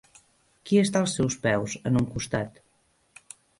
Qui està als seus peus, en un costat?